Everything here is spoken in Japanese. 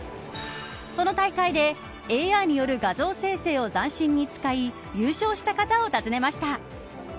その大会でＡＩによる画像生成を斬新に使い優勝した方を訪ねました。